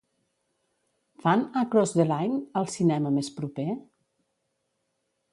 Fan Across the Line al cinema més proper?